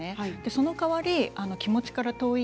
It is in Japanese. その代わり気持ちから遠い